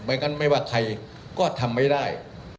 งั้นไม่ว่าใครก็ทำไม่ได้